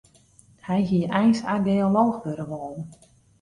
Hy hie eins archeolooch wurde wollen.